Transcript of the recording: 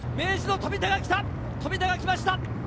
富田が来ました！